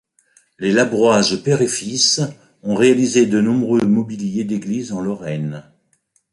Les Labroise père et fils ont réalisé de nombreux mobiliers d'église en Lorraine.